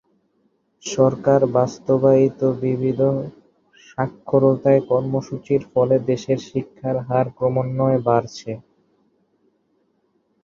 সরকার বাস্তবায়িত বিবিধ সাক্ষরতা কর্মসূচীর ফলে দেশে শিক্ষার হার ক্রমান্বয়ে বাড়ছে।